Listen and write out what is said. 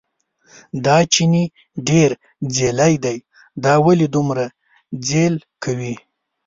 دا چیني ډېر ځېلی دی، دا ولې دومره ځېل کوي.